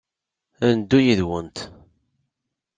Ad neddu yid-went.